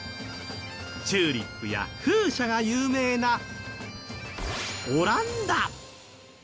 チューリップや風車が有名なオランダ。